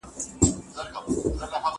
غولول یو ډیر عام انساني خصلت دی.